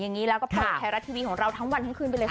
แบบนี้แล้วก็ปล่อยแทรรัททีวีของเราทั้งวันทั้งคืนไปเลยครับ